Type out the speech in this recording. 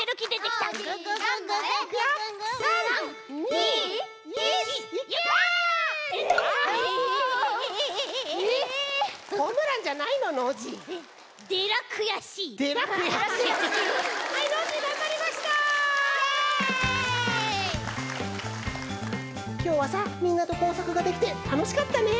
きょうはさみんなと工作ができてたのしかったね。